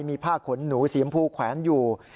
มีผ้าขนหนูสีชมพูแขวนอยู่